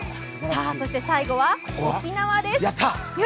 そして最後は沖縄です。